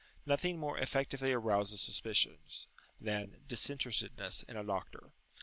Nothing more effectually arouses suspicion than disinterestedness in a doctor.